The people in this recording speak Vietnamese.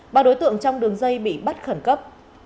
ba đối tượng trong đường dây bị bắt khẩn cấp